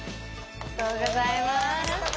おめでとうございます。